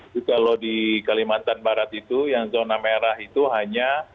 tapi kalau di kalimantan barat itu yang zona merah itu hanya